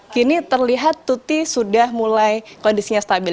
kini terlihat tuti sudah mulai kondisinya stabil